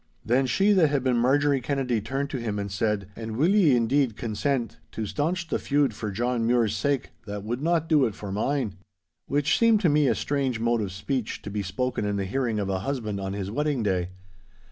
Then she that had been Marjorie Kennedy turned to him, and said, 'And will ye indeed consent to staunch the feud for John Mure's sake, that would not do it for mine?' Which seemed to me a strange mode of speech to be spoken in the hearing of a husband on his wedding day.